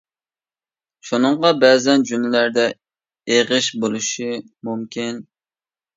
شۇنىڭغا بەزەن جۈملىلەردە ئېغىش بولۇشى مۇمكىن.